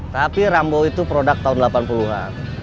tapi rambo itu produk tahun delapan puluh an